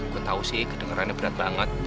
gue tau sih kedengarannya berat banget